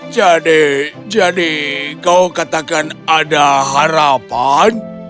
jadi jadi kau katakan ada harapan